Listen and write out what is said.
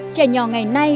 trẻ nhỏ ngày nay